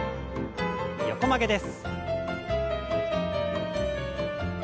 横曲げです。